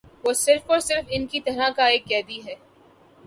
وہ صرف اور صرف ان کی طرح کا ایک قیدی ہے ا